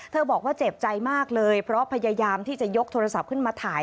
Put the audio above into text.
บอกว่าเจ็บใจมากเลยเพราะพยายามที่จะยกโทรศัพท์ขึ้นมาถ่าย